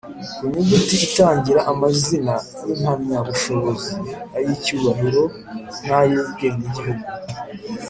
Ku nyuguti itangira amazina y’impamyabushobozi, ay’icyubahiro, n’ay’ubwenegihugu.